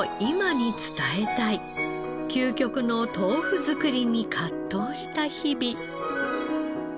究極の豆腐作りに葛藤した日々。